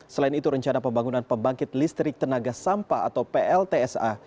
selain itu rencana pembangunan pembangkit listrik tenaga sampah atau pltsa